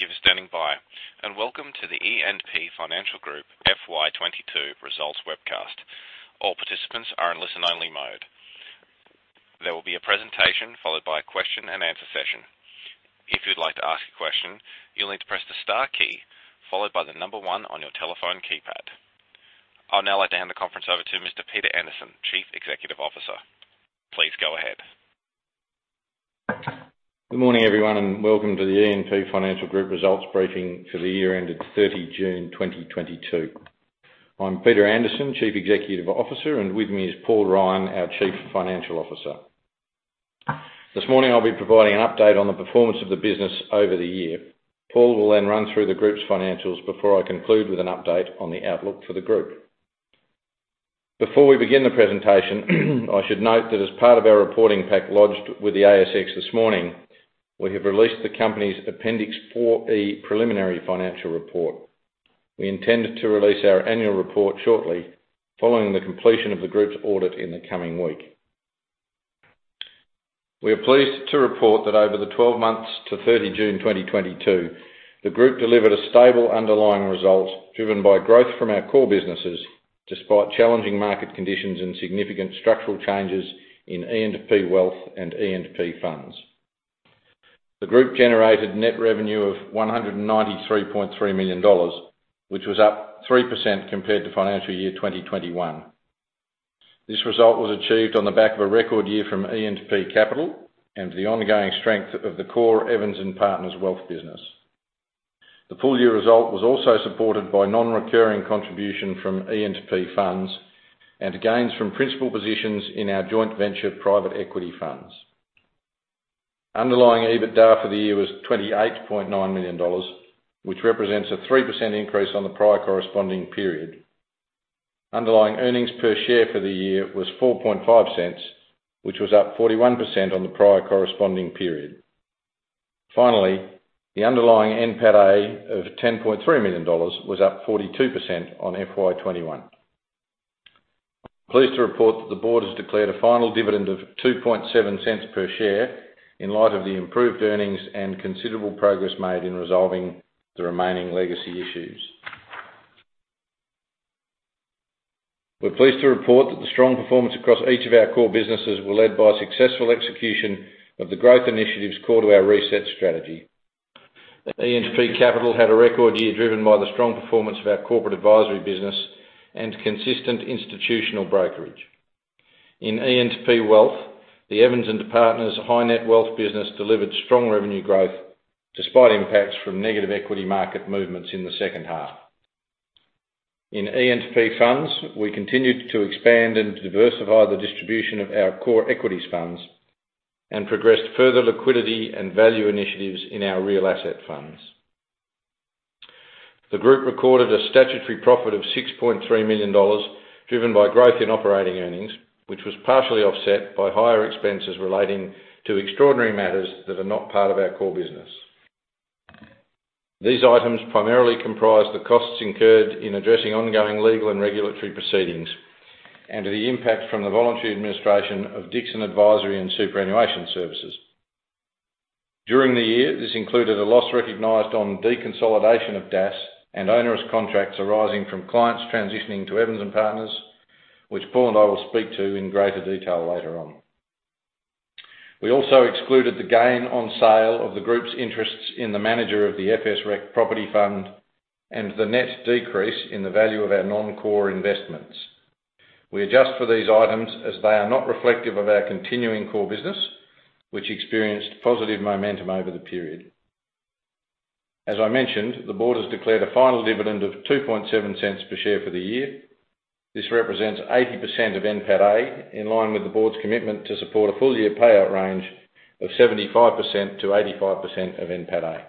Thank you for standing by, and welcome to the E&P Financial Group FY 22 results webcast. All participants are in listen-only mode. There will be a presentation followed by a question-and-answer session. If you'd like to ask a question, you'll need to press the star key followed by the number one on your telephone keypad. I'll now like to hand the conference over to Mr. Peter Anderson, Chief Executive Officer. Please go ahead. Good morning, everyone, and welcome to the E&P Financial Group results briefing for the year ended 30 June 2022. I'm Peter Anderson, Chief Executive Officer, and with me is Paul Ryan, our Chief Financial Officer. This morning I'll be providing an update on the performance of the business over the year. Paul will then run through the group's financials before I conclude with an update on the outlook for the group. Before we begin the presentation, I should note that as part of our reporting pack lodged with the ASX this morning, we have released the company's appendix for a preliminary financial report. We intend to release our annual report shortly following the completion of the group's audit in the coming week. We are pleased to report that over the 12 months to 30 June 2022, the group delivered a stable underlying result driven by growth from our core businesses, despite challenging market conditions and significant structural changes in E&P Wealth and E&P Funds. The group generated net revenue of 193.3 million dollars, which was up 3% compared to financial year 2021. This result was achieved on the back of a record year from E&P Capital and the ongoing strength of the core Evans and Partners wealth business. The full year result was also supported by non-recurring contribution from E&P Funds and gains from principal positions in our joint venture private equity funds. Underlying EBITDA for the year was AUD 28.9 million, which represents a 3% increase on the prior corresponding period. Underlying earnings per share for the year was 0.045, which was up 41% on the prior corresponding period. Finally, the underlying NPATA of 10.3 million dollars was up 42% on FY 2021. Pleased to report that the board has declared a final dividend of 0.027 per share in light of the improved earnings and considerable progress made in resolving the remaining legacy issues. We're pleased to report that the strong performance across each of our core businesses were led by successful execution of the growth initiatives core to our reset strategy. E&P Capital had a record year driven by the strong performance of our corporate advisory business and consistent institutional brokerage. In E&P Wealth, the Evans and Partners high net worth business delivered strong revenue growth despite impacts from negative equity market movements in the second half. In E&P Funds, we continued to expand and diversify the distribution of our core equities funds and progressed further liquidity and value initiatives in our real asset funds. The group recorded a statutory profit of 6.3 million dollars, driven by growth in operating earnings, which was partially offset by higher expenses relating to extraordinary matters that are not part of our core business. These items primarily comprise the costs incurred in addressing ongoing legal and regulatory proceedings and the impact from the voluntary administration of Dixon Advisory and Superannuation Services. During the year, this included a loss recognized on deconsolidation of DASS and onerous contracts arising from clients transitioning to Evans and Partners, which Paul and I will speak to in greater detail later on. We also excluded the gain on sale of the group's interests in the manager of the FSREC Property Fund and the net decrease in the value of our non-core investments. We adjust for these items as they are not reflective of our continuing core business, which experienced positive momentum over the period. As I mentioned, the board has declared a final dividend of 0.027 per share for the year. This represents 80% of NPATA, in line with the board's commitment to support a full year payout range of 75%-85% of NPATA.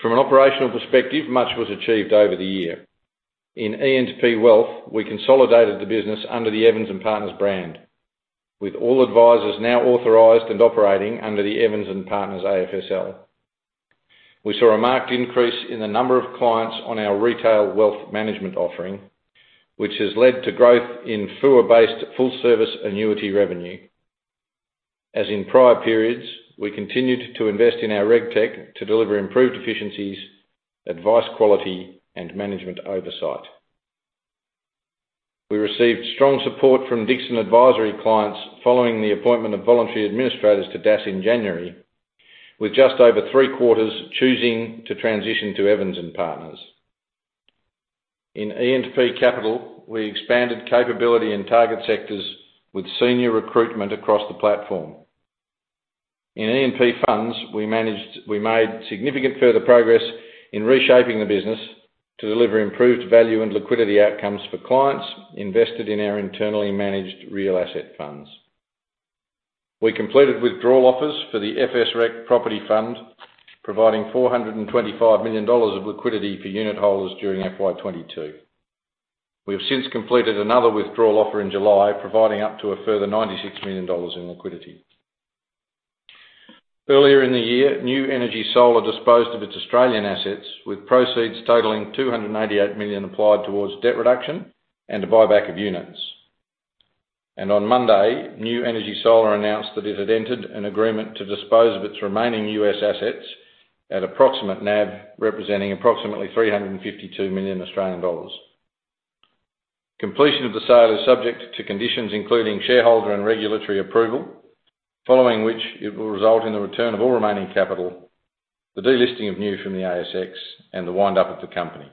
From an operational perspective, much was achieved over the year. In E&P Wealth, we consolidated the business under the Evans and Partners brand, with all advisors now authorized and operating under the Evans and Partners AFSL. We saw a marked increase in the number of clients on our retail wealth management offering, which has led to growth in FOA-based full service annuity revenue. As in prior periods, we continued to invest in our RegTech to deliver improved efficiencies, advice quality, and management oversight. We received strong support from Dixon Advisory clients following the appointment of voluntary administrators to DASS in January, with just over three-quarters choosing to transition to Evans and Partners. In E&P Capital, we expanded capability in target sectors with senior recruitment across the platform. In E&P Funds, we made significant further progress in reshaping the business to deliver improved value and liquidity outcomes for clients invested in our internally managed real asset funds. We completed withdrawal offers for the FSREC Property Fund, providing 425 million dollars of liquidity for unitholders during FY 2022. We have since completed another withdrawal offer in July, providing up to a further AUD 96 million in liquidity. Earlier in the year, New Energy Solar disposed of its Australian assets, with proceeds totaling 288 million applied towards debt reduction and the buyback of units. On Monday, New Energy Solar announced that it had entered an agreement to dispose of its remaining US assets at approximate NAV, representing approximately 352 million Australian dollars. Completion of the sale is subject to conditions, including shareholder and regulatory approval, following which it will result in the return of all remaining capital, the delisting of New Energy Solar from the ASX, and the wind up of the company.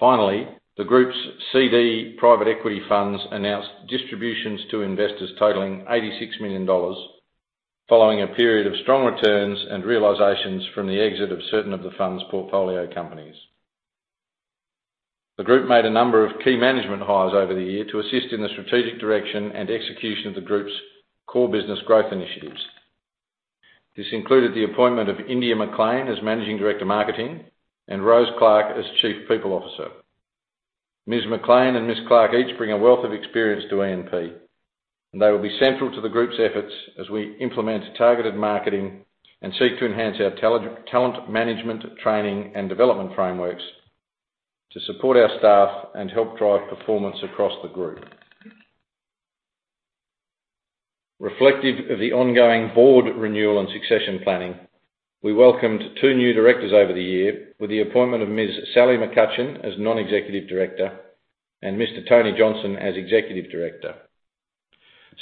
Finally, the group's CD Private Equity funds announced distributions to investors totaling 86 million dollars following a period of strong returns and realizations from the exit of certain of the fund's portfolio companies. The group made a number of key management hires over the year to assist in the strategic direction and execution of the group's core business growth initiatives. This included the appointment of India Maclean as Managing Director, Marketing, and Rose Clark as Chief People Officer. Ms. Maclean and Ms. Clark each bring a wealth of experience to E&P, and they will be central to the group's efforts as we implement targeted marketing and seek to enhance our talent management, training, and development frameworks to support our staff and help drive performance across the group. Reflective of the ongoing board renewal and succession planning, we welcomed two new directors over the year with the appointment of Ms. Sally McCutchan as Non-Executive Director and Mr. Tony Johnson as Executive Director.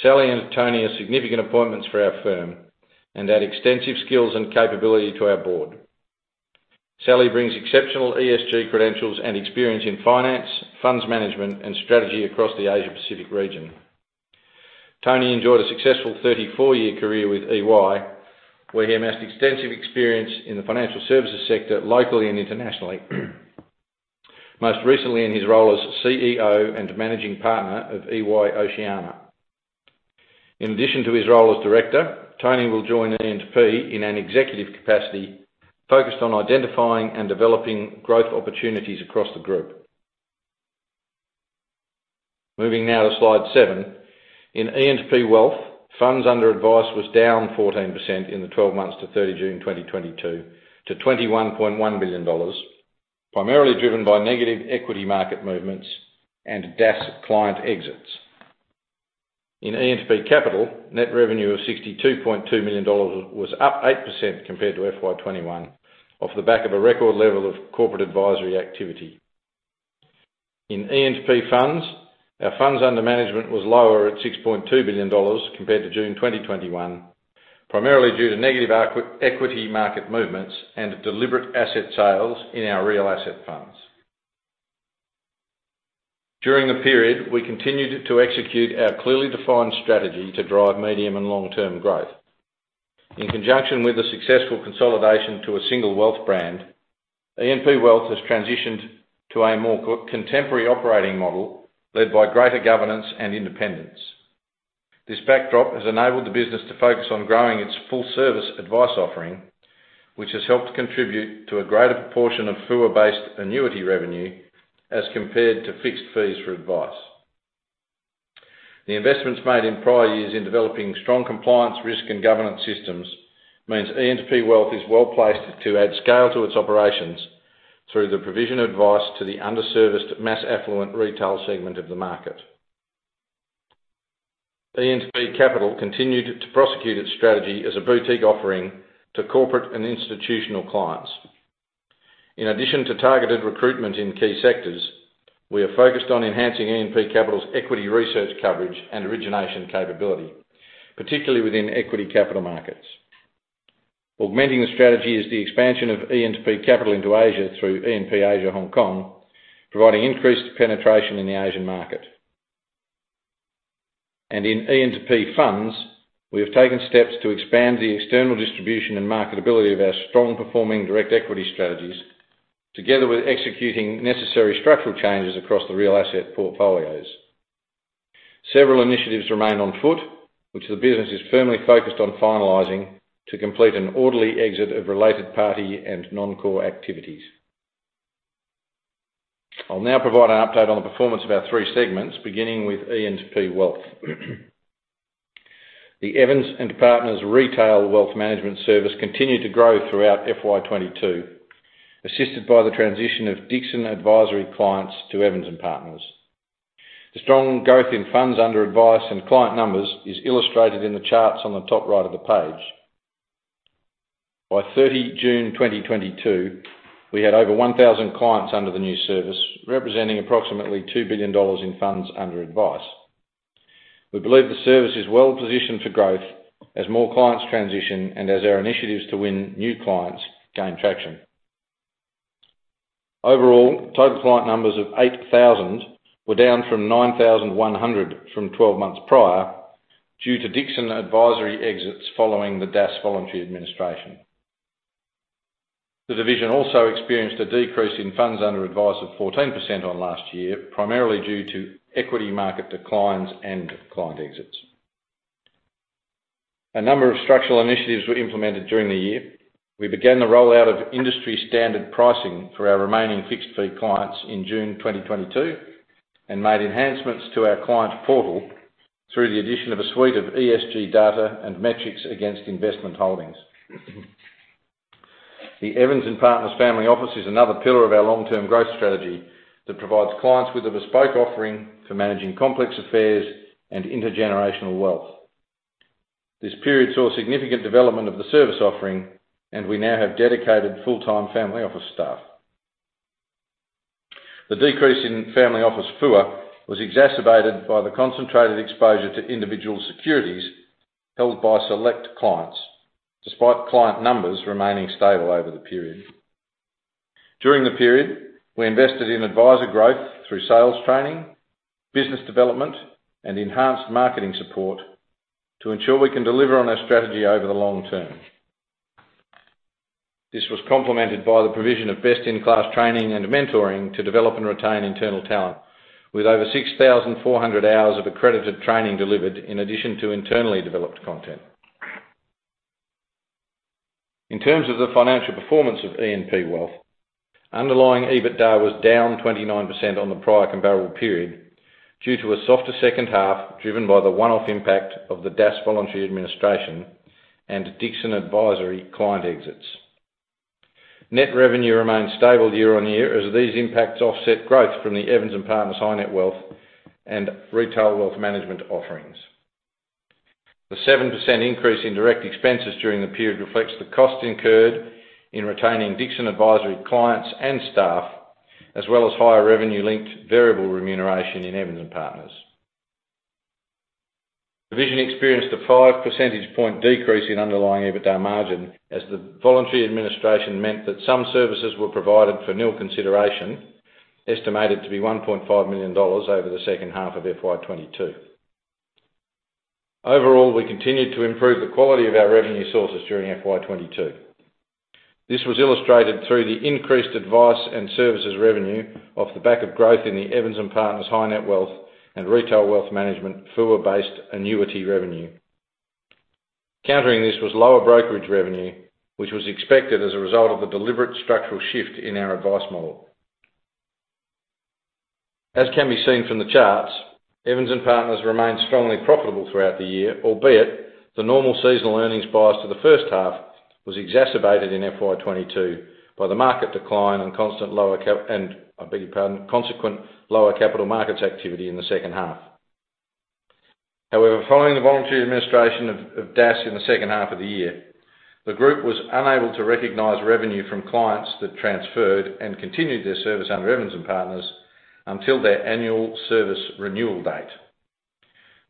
Sally and Tony are significant appointments for our firm and add extensive skills and capability to our board. Sally brings exceptional ESG credentials and experience in finance, funds management, and strategy across the Asia Pacific region. Tony enjoyed a successful 34-year career with EY, where he amassed extensive experience in the financial services sector, locally and internationally, most recently in his role as CEO and Managing Partner of EY Oceania. In addition to his role as Director, Tony will join E&P in an executive capacity focused on identifying and developing growth opportunities across the group. Moving now to Slide 7. In E&P Wealth, funds under advice was down 14% in the 12 months to 30 June 2022 to 21.1 billion dollars, primarily driven by negative equity market movements and DASS client exits. In E&P Capital, net revenue of 62.2 million dollars was up 8% compared to FY 2021 off the back of a record level of corporate advisory activity. In E&P Funds, our funds under management was lower at 6.2 billion dollars compared to June 2021, primarily due to negative equity market movements and deliberate asset sales in our real asset funds. During the period, we continued to execute our clearly defined strategy to drive medium and long-term growth. In conjunction with the successful consolidation to a single wealth brand, E&P Wealth has transitioned to a more contemporary operating model led by greater governance and independence. This backdrop has enabled the business to focus on growing its full-service advice offering, which has helped contribute to a greater proportion of FOA-based annuity revenue as compared to fixed fees for advice. The investments made in prior years in developing strong compliance, risk, and governance systems means E&P Wealth is well-placed to add scale to its operations through the provision advice to the underserviced mass affluent retail segment of the market. E&P Capital continued to prosecute its strategy as a boutique offering to corporate and institutional clients. In addition to targeted recruitment in key sectors, we are focused on enhancing E&P Capital's equity research coverage and origination capability, particularly within equity capital markets. Augmenting the strategy is the expansion of E&P Capital into Asia through E&P Asia (HK), providing increased penetration in the Asian market. In E&P Funds, we have taken steps to expand the external distribution and marketability of our strong-performing direct equity strategies together with executing necessary structural changes across the real asset portfolios. Several initiatives remain on foot, which the business is firmly focused on finalizing to complete an orderly exit of related party and non-core activities. I'll now provide an update on the performance of our three segments, beginning with E&P Wealth. The Evans and Partners retail wealth management service continued to grow throughout FY 2022, assisted by the transition of Dixon Advisory clients to Evans and Partners. The strong growth in funds under advice and client numbers is illustrated in the charts on the top right of the page. By 30 June 2022, we had over 1,000 clients under the new service, representing approximately 2 billion dollars in funds under advice. We believe the service is well positioned for growth as more clients transition and as our initiatives to win new clients gain traction. Overall, total client numbers of 8,000 were down from 9,100 from 12 months prior due to Dixon Advisory exits following the DAS voluntary administration. The division also experienced a decrease in funds under advice of 14% on last year, primarily due to equity market declines and client exits. A number of structural initiatives were implemented during the year. We began the rollout of industry-standard pricing for our remaining fixed fee clients in June 2022 and made enhancements to our client portal through the addition of a suite of ESG data and metrics against investment holdings. The Evans and Partners Family Office is another pillar of our long-term growth strategy that provides clients with a bespoke offering for managing complex affairs and intergenerational wealth. This period saw significant development of the service offering, and we now have dedicated full-time family office staff. The decrease in family office FOA was exacerbated by the concentrated exposure to individual securities held by select clients despite client numbers remaining stable over the period. During the period, we invested in advisor growth through sales training, business development, and enhanced marketing support to ensure we can deliver on our strategy over the long term. This was complemented by the provision of best-in-class training and mentoring to develop and retain internal talent. With over 6,400 hours of accredited training delivered in addition to internally developed content. In terms of the financial performance of E&P Wealth, underlying EBITDA was down 29% on the prior comparable period due to a softer second half, driven by the one-off impact of the DASS voluntary administration and Dixon Advisory client exits. Net revenue remained stable year-over-year as these impacts offset growth from the Evans and Partners High Net Worth and Retail Wealth Management offerings. The 7% increase in direct expenses during the period reflects the cost incurred in retaining Dixon Advisory clients and staff, as well as higher revenue-linked variable remuneration in Evans and Partners division experienced a 5 percentage point decrease in underlying EBITDA margin, as the voluntary administration meant that some services were provided for nil consideration, estimated to be 1.5 million dollars over the second half of FY 2022. Overall, we continued to improve the quality of our revenue sources during FY 2022. This was illustrated through the increased advice and services revenue off the back of growth in the Evans and Partners High Net Worth and Retail Wealth Management FOA-based annuity revenue. Countering this was lower brokerage revenue, which was expected as a result of the deliberate structural shift in our advice model. As can be seen from the charts, Evans and Partners remained strongly profitable throughout the year, albeit the normal seasonal earnings bias to the first half was exacerbated in FY 2022 by the market decline and consequent lower capital markets activity in the second half. However, following the voluntary administration of DASS in the second half of the year, the group was unable to recognize revenue from clients that transferred and continued their service under Evans and Partners until their annual service renewal date.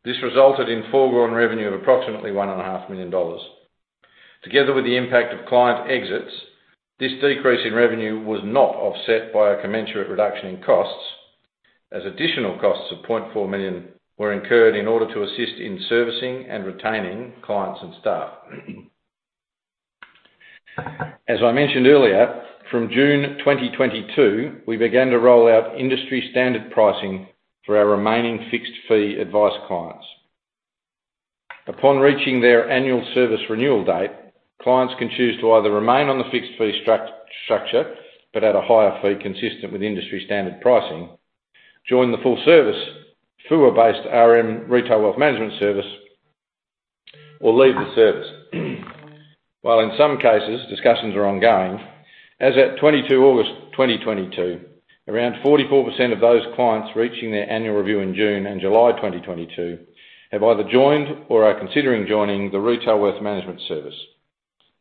This resulted in foregone revenue of approximately 1.5 million dollars. Together with the impact of client exits, this decrease in revenue was not offset by a commensurate reduction in costs, as additional costs of 0.4 million were incurred in order to assist in servicing and retaining clients and staff. As I mentioned earlier, from June 2022, we began to roll out industry-standard pricing for our remaining fixed fee advice clients. Upon reaching their annual service renewal date, clients can choose to either remain on the fixed fee structure but at a higher fee consistent with industry-standard pricing, join the full service through our RWM Retail Wealth Management service, or leave the service. While in some cases, discussions are ongoing, as at 22 August 2022, around 44% of those clients reaching their annual review in June and July 2022 have either joined or are considering joining the Retail Wealth Management service.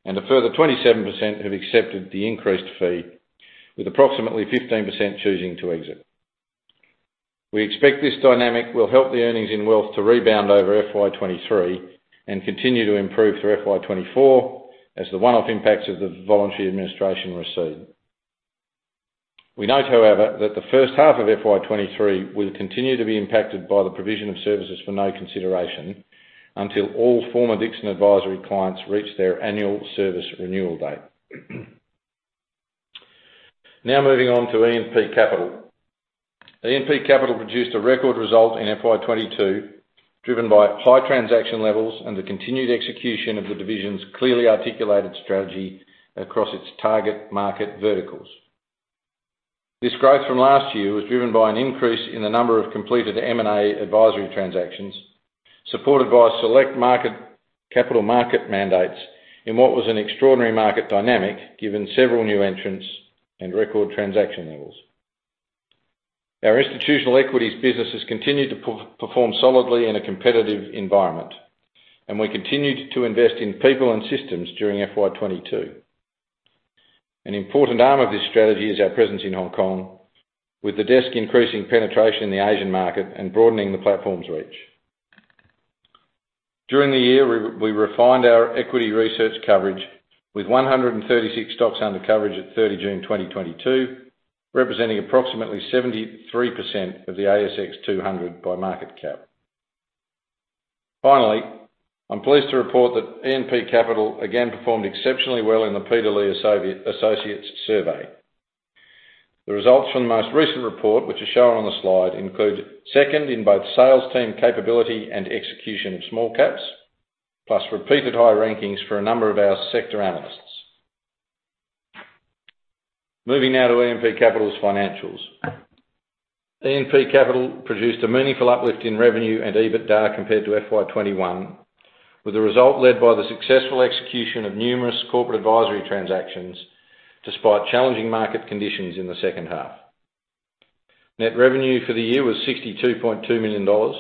A further 27% have accepted the increased fee, with approximately 15% choosing to exit. We expect this dynamic will help the earnings in wealth to rebound over FY 2023 and continue to improve through FY 2024 as the one-off impacts of the voluntary administration recede. We note, however, that the first half of FY 2023 will continue to be impacted by the provision of services for no consideration until all former Dixon Advisory clients reach their annual service renewal date. Now moving on to E&P Capital. E&P Capital produced a record result in FY 2022, driven by high transaction levels and the continued execution of the division's clearly articulated strategy across its target market verticals. This growth from last year was driven by an increase in the number of completed M&A advisory transactions, supported by select market, capital market mandates in what was an extraordinary market dynamic, given several new entrants and record transaction levels. Our institutional equities businesses continued to perform solidly in a competitive environment, and we continued to invest in people and systems during FY 2022. An important arm of this strategy is our presence in Hong Kong, with the desk increasing penetration in the Asian market and broadening the platform's reach. During the year, we refined our equity research coverage with 136 stocks under coverage at 30 June 2022, representing approximately 73% of the ASX 200 by market cap. Finally, I'm pleased to report that E&P Capital again performed exceptionally well in the PeterLee Associates survey. The results from the most recent report, which are shown on the slide, include second in both sales team capability and execution of small caps, plus repeated high rankings for a number of our sector analysts. Moving now to E&P Capital's financials. E&P Capital produced a meaningful uplift in revenue and EBITDA compared to FY 2021, with the result led by the successful execution of numerous corporate advisory transactions despite challenging market conditions in the second half. Net revenue for the year was AUD 62.2 million,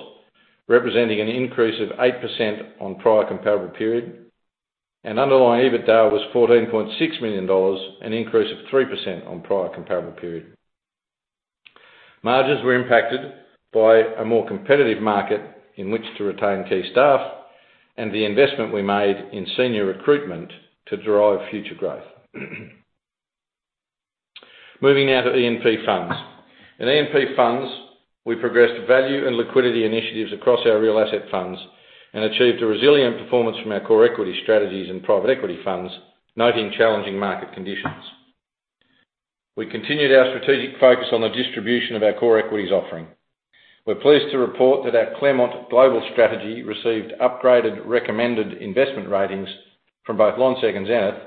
representing an increase of 8% on prior comparable period. Underlying EBITDA was AUD 14.6 million, an increase of 3% on prior comparable period. Margins were impacted by a more competitive market in which to retain key staff and the investment we made in senior recruitment to derive future growth. Moving now to E&P Funds. In E&P Funds, we progressed value and liquidity initiatives across our real asset funds and achieved a resilient performance from our core equity strategies and private equity funds, noting challenging market conditions. We continued our strategic focus on the distribution of our core equities offering. We're pleased to report that our Claremont Global strategy received upgraded recommended investment ratings from both Lonsec and Zenith,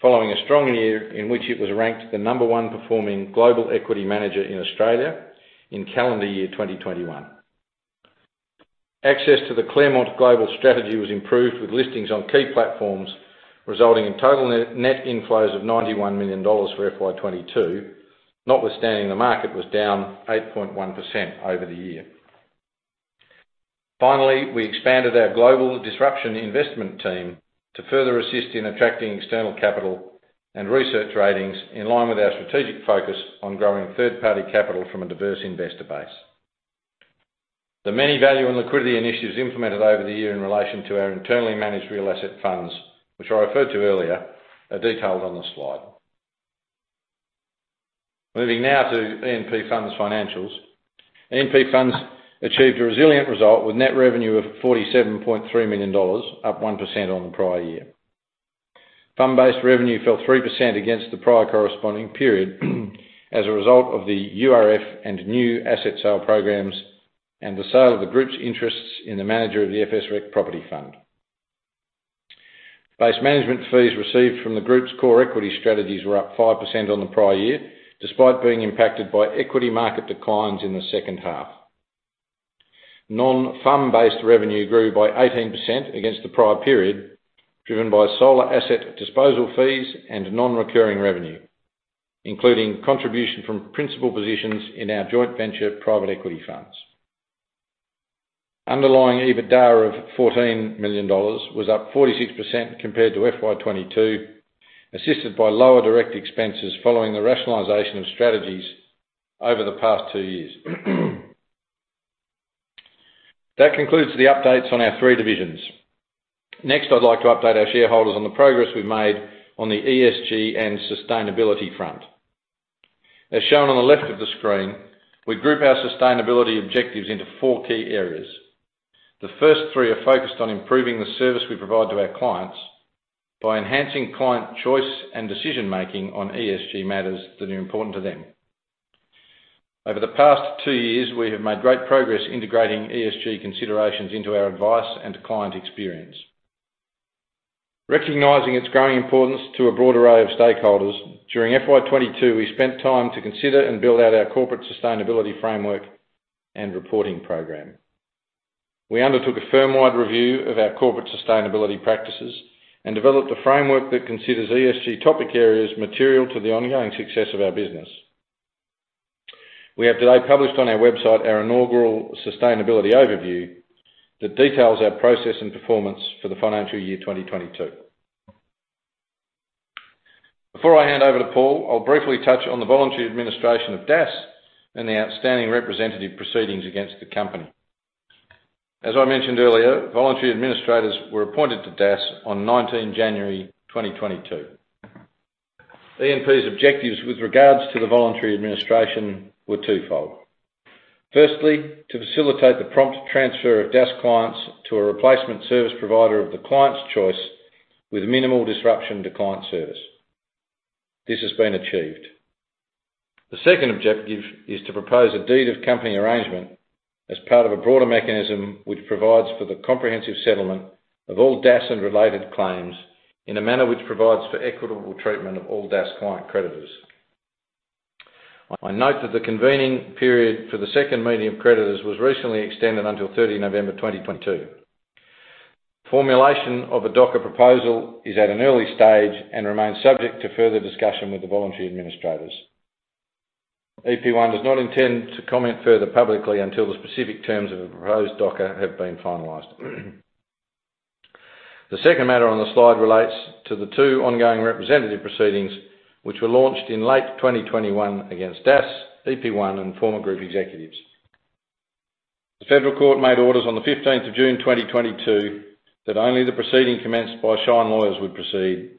following a strong year in which it was ranked the number 1 performing global equity manager in Australia in calendar year 2021. Access to the Claremont Global strategy was improved with listings on key platforms, resulting in total net inflows of 91 million dollars for FY 2022. Notwithstanding, the market was down 8.1% over the year. Finally, we expanded our global disruption investment team to further assist in attracting external capital and research ratings in line with our strategic focus on growing third-party capital from a diverse investor base. The many value and liquidity initiatives implemented over the year in relation to our internally managed real asset funds, which I referred to earlier, are detailed on the slide. Moving now to E&P Funds financials. E&P Funds achieved a resilient result with net revenue of 47.3 million dollars, up 1% on the prior year. Fund-based revenue fell 3% against the prior corresponding period as a result of the URF and new asset sale programs and the sale of the group's interests in the manager of the FSREC Property Fund. Base management fees received from the group's core equity strategies were up 5% on the prior year, despite being impacted by equity market declines in the second half. Non-fund-based revenue grew by 18% against the prior period, driven by solar asset disposal fees and non-recurring revenue, including contribution from principal positions in our joint venture private equity funds. Underlying EBITDA of AUD 14 million was up 46% compared to FY 2022, assisted by lower direct expenses following the rationalization of strategies over the past 2 years. That concludes the updates on our three divisions. Next, I'd like to update our shareholders on the progress we've made on the ESG and sustainability front. As shown on the left of the screen, we group our sustainability objectives into four key areas. The first three are focused on improving the service we provide to our clients by enhancing client choice and decision-making on ESG matters that are important to them. Over the past two years, we have made great progress integrating ESG considerations into our advice and client experience. Recognizing its growing importance to a broad array of stakeholders, during FY 2022, we spent time to consider and build out our corporate sustainability framework and reporting program. We undertook a firm-wide review of our corporate sustainability practices and developed a framework that considers ESG topic areas material to the ongoing success of our business. We have today published on our website our inaugural sustainability overview that details our process and performance for the financial year 2022. Before I hand over to Paul, I'll briefly touch on the voluntary administration of DASS and the outstanding representative proceedings against the company. As I mentioned earlier, voluntary administrators were appointed to DASS on nineteen January twenty twenty-two. E&P's objectives with regards to the voluntary administration were twofold. Firstly, to facilitate the prompt transfer of DASS clients to a replacement service provider of the client's choice with minimal disruption to client service. This has been achieved. The second objective is to propose a deed of company arrangement as part of a broader mechanism which provides for the comprehensive settlement of all DASS and related claims in a manner which provides for equitable treatment of all DASS client creditors. I note that the convening period for the second meeting of creditors was recently extended until thirty November twenty twenty-two. Formulation of a DOCA proposal is at an early stage and remains subject to further discussion with the voluntary administrators. EP1 does not intend to comment further publicly until the specific terms of the proposed DOCA have been finalized. The second matter on the slide relates to the two ongoing representative proceedings which were launched in late 2021 against DASS, EP1, and former group executives. The Federal Court made orders on the 15th of June 2022 that only the proceeding commenced by Shine Lawyers would proceed,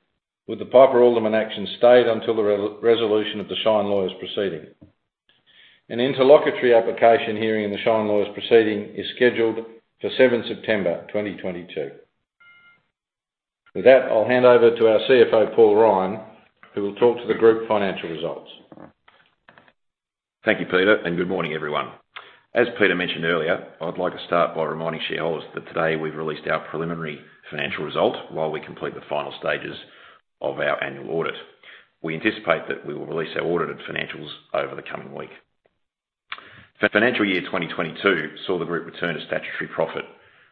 with the Piper Alderman action stayed until the resolution of the Shine Lawyers proceeding. An interlocutory application hearing in the Shine Lawyers proceeding is scheduled for 7th September 2022. With that, I'll hand over to our CFO, Paul Ryan, who will talk to the group financial results. Thank you, Peter, and good morning, everyone. As Peter mentioned earlier, I'd like to start by reminding shareholders that today we've released our preliminary financial result while we complete the final stages of our annual audit. We anticipate that we will release our audited financials over the coming week. For financial year 2022, saw the group return a statutory profit,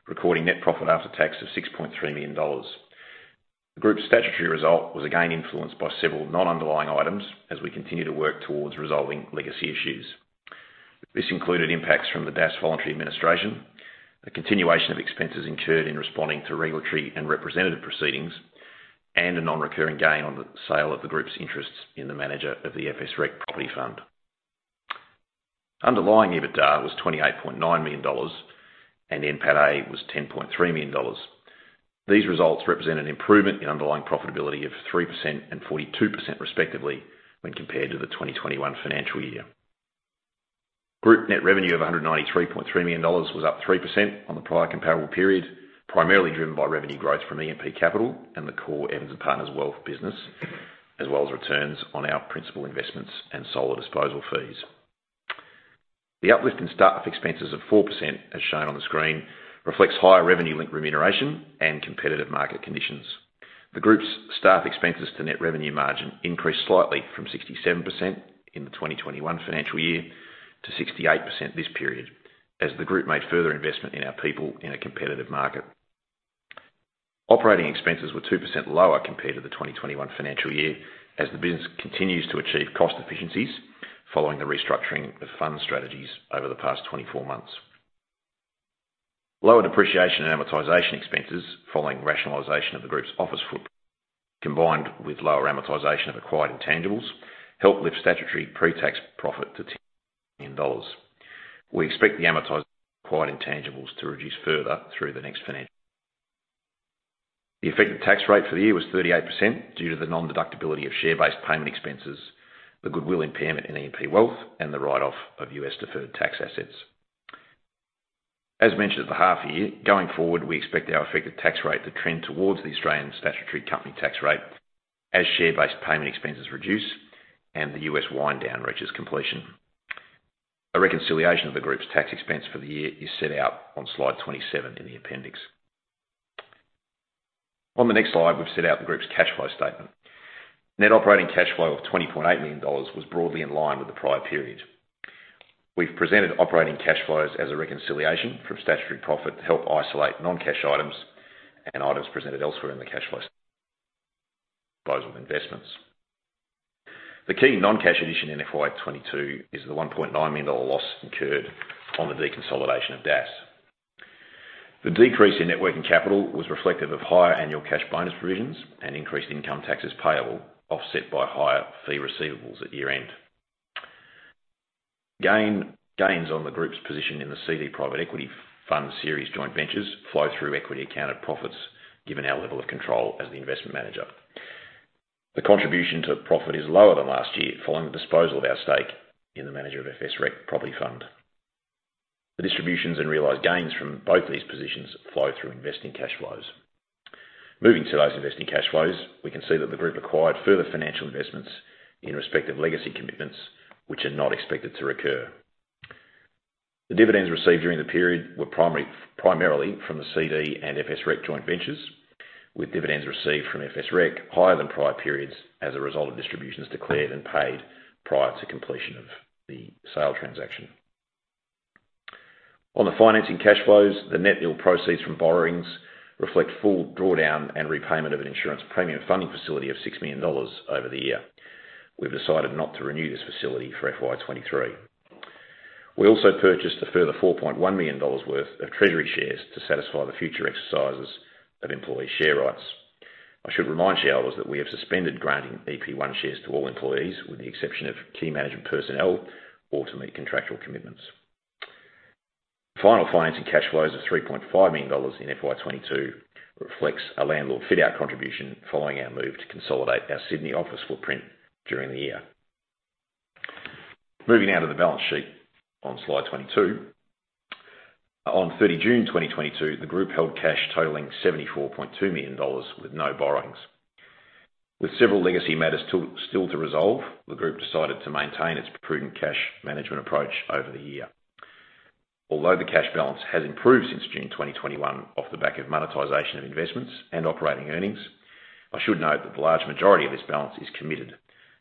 recording net profit after tax of 6.3 million dollars. The group's statutory result was again influenced by several non-underlying items as we continue to work towards resolving legacy issues. This included impacts from the DASS voluntary administration, the continuation of expenses incurred in responding to regulatory and representative proceedings, and a non-recurring gain on the sale of the group's interests in the manager of the FSREC Property Fund. Underlying EBITDA was 28.9 million dollars, and NPATA was 10.3 million dollars. These results represent an improvement in underlying profitability of 3% and 42% respectively when compared to the 2021 financial year. Group net revenue of 193.3 million dollars was up 3% on the prior comparable period, primarily driven by revenue growth from E&P Capital and the core Evans and Partners Wealth business, as well as returns on our principal investments and solar disposal fees. The uplift in staff expenses of 4%, as shown on the screen, reflects higher revenue-linked remuneration and competitive market conditions. The group's staff expenses to net revenue margin increased slightly from 67% in the 2021 financial year to 68% this period as the group made further investment in our people in a competitive market. Operating expenses were 2% lower compared to the 2021 financial year as the business continues to achieve cost efficiencies following the restructuring of fund strategies over the past 24 months. Lower depreciation and amortization expenses following rationalization of the group's office footprint, combined with lower amortization of acquired intangibles, helped lift statutory pre-tax profit to 10 million dollars. We expect the amortized acquired intangibles to reduce further through the next financial. The effective tax rate for the year was 38% due to the nondeductibility of share-based payment expenses, the goodwill impairment in E&P Wealth, and the write-off of US deferred tax assets. As mentioned at the half year, going forward, we expect our effective tax rate to trend towards the Australian statutory company tax rate as share-based payment expenses reduce and the US wind down reaches completion. A reconciliation of the group's tax expense for the year is set out on slide 27 in the appendix. On the next slide, we've set out the group's cash flow statement. Net operating cash flow of 28.8 million dollars was broadly in line with the prior period. We've presented operating cash flows as a reconciliation from statutory profit to help isolate non-cash items and items presented elsewhere in the cash flow disposal investments. The key non-cash addition in FY 2022 is the 1.9 million dollar loss incurred on the deconsolidation of DASS. The decrease in net working capital was reflective of higher annual cash bonus provisions and increased income taxes payable, offset by higher fee receivables at year-end. Gains on the group's position in the CD Private Equity Fund Series joint ventures flow through equity-accounted profits given our level of control as the investment manager. The contribution to profit is lower than last year following the disposal of our stake in the manager of FSREC Property Fund. The distributions and realized gains from both these positions flow through investing cash flows. Moving to those investing cash flows, we can see that the group acquired further financial investments in respect of legacy commitments, which are not expected to recur. The dividends received during the period were primarily from the CD and FSREC joint ventures, with dividends received from FSREC higher than prior periods as a result of distributions declared and paid prior to completion of the sale transaction. On the financing cash flows, the net deal proceeds from borrowings reflect full drawdown and repayment of an insurance premium funding facility of 6 million dollars over the year. We've decided not to renew this facility for FY 2023. We also purchased a further 4.1 million dollars worth of treasury shares to satisfy the future exercises of employee share rights. I should remind shareholders that we have suspended granting EP1 shares to all employees with the exception of key management personnel or to meet contractual commitments. Final financing cash flows of 3.5 million dollars in FY 2022 reflects a landlord fit out contribution following our move to consolidate our Sydney office footprint during the year. Moving now to the balance sheet on slide 22. On 30 June 2022, the group held cash totaling AUD 74.2 million with no borrowings. With several legacy matters still to resolve, the group decided to maintain its prudent cash management approach over the year. Although the cash balance has improved since June 2021 off the back of monetization of investments and operating earnings, I should note that the large majority of this balance is committed,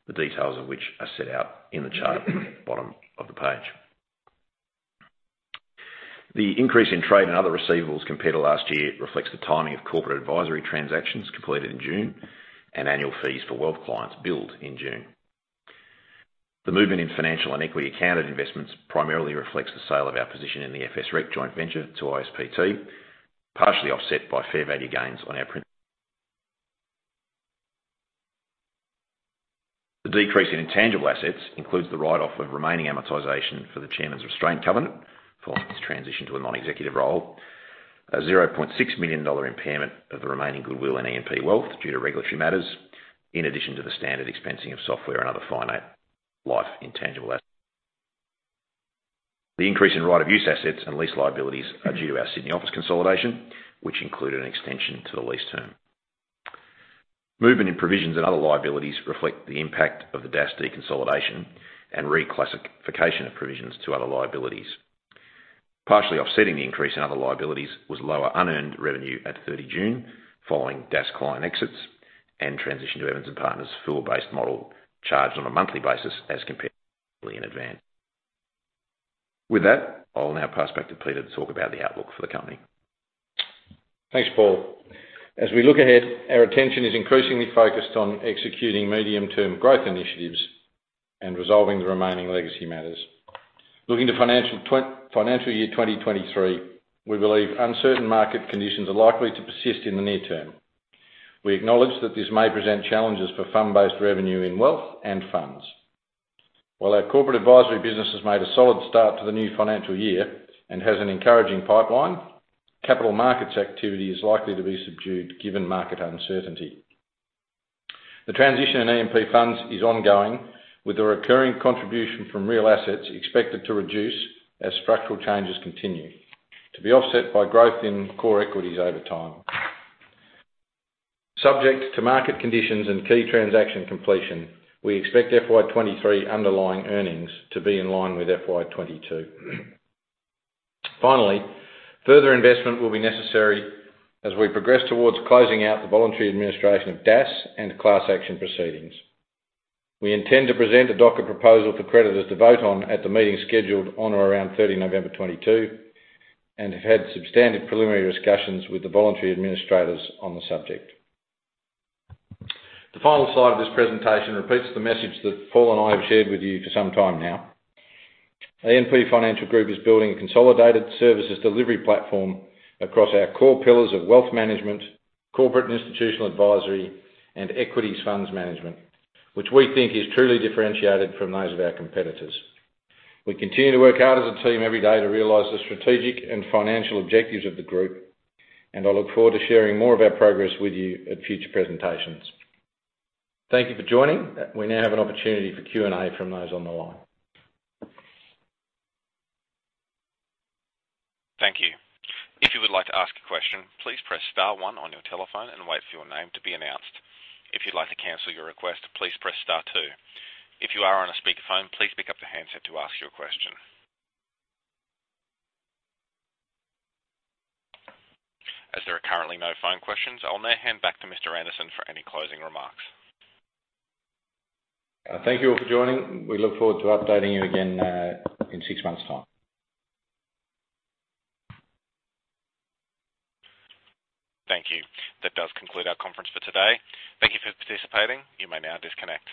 the details of which are set out in the chart at the bottom of the page. The increase in trade and other receivables compared to last year reflects the timing of corporate advisory transactions completed in June and annual fees for wealth clients billed in June. The movement in financial and equity accounted investments primarily reflects the sale of our position in the FSREC joint venture to ISPT, partially offset by fair value gains on our prin... The decrease in intangible assets includes the write-off of remaining amortization for the chairman's restraint covenant following his transition to a non-executive role, an 0.6 million dollar impairment of the remaining goodwill in E&P Wealth due to regulatory matters, in addition to the standard expensing of software and other finite life intangible asset. The increase in right of use assets and lease liabilities are due to our Sydney office consolidation, which included an extension to the lease term. Movement in provisions and other liabilities reflect the impact of the DAS deconsolidation and reclassification of provisions to other liabilities. Partially offsetting the increase in other liabilities was lower unearned revenue at 30 June, following DAS client exits and transition to Evans and Partners' fee-based model charged on a monthly basis as compared in advance. With that, I'll now pass back to Peter to talk about the outlook for the company. Thanks, Paul. As we look ahead, our attention is increasingly focused on executing medium-term growth initiatives and resolving the remaining legacy matters. Looking to financial year 2023, we believe uncertain market conditions are likely to persist in the near term. We acknowledge that this may present challenges for fund-based revenue in wealth and funds. While our corporate advisory business has made a solid start to the new financial year and has an encouraging pipeline, capital markets activity is likely to be subdued given market uncertainty. The transition in E&P Funds is ongoing, with the recurring contribution from real assets expected to reduce as structural changes continue, to be offset by growth in core equities over time. Subject to market conditions and key transaction completion, we expect FY 2023 underlying earnings to be in line with FY 2022. Finally, further investment will be necessary as we progress towards closing out the voluntary administration of DASS and the class action proceedings. We intend to present a DOCA proposal for creditors to vote on at the meeting scheduled on or around 30 November 2022, and have had substantive preliminary discussions with the voluntary administrators on the subject. The final slide of this presentation repeats the message that Paul and I have shared with you for some time now. E&P Financial Group is building a consolidated services delivery platform across our core pillars of wealth management, corporate and institutional advisory, and equities funds management, which we think is truly differentiated from those of our competitors. We continue to work hard as a team every day to realize the strategic and financial objectives of the group, and I look forward to sharing more of our progress with you at future presentations. Thank you for joining. We now have an opportunity for Q&A from those on the line. Thank you. If you would like to ask a question, please press star one on your telephone and wait for your name to be announced. If you'd like to cancel your request, please press star two. If you are on a speakerphone, please pick up the handset to ask your question. As there are currently no phone questions, I'll now hand back to Mr. Anderson for any closing remarks. Thank you all for joining. We look forward to updating you again, in six months' time. Thank you. That does conclude our conference for today. Thank you for participating. You may now disconnect.